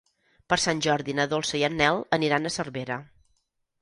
Per Sant Jordi na Dolça i en Nel aniran a Cervera.